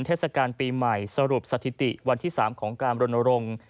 เทศกาลปีใหม่สรุปสถิติวันที่๓ของการรณรงค์